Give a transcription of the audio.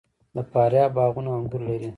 د فاریاب باغونه انګور لري.